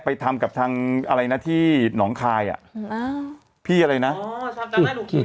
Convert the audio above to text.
ไปทำกับทางอะไรนะที่หนองคายอ่ะอ้าวพี่อะไรนะอ๋อทำให้หนูคิด